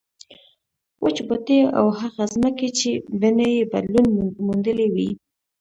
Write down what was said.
وچ بوټي او هغه ځمکې چې بڼې یې بدلون موندلی وي.